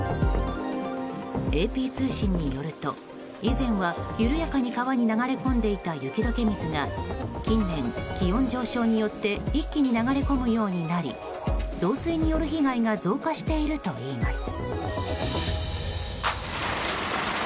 ＡＰ通信によると以前は緩やかに川に流れ込んでいた雪解け水が近年、気温上昇によって一気に流れ込むようになり増水による被害が増加しているといいます。